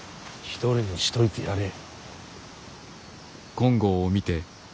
一人にしといてやれ。